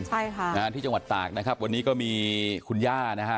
ใช่ค่ะนะฮะที่จังหวัดตากนะครับวันนี้ก็มีคุณย่านะฮะ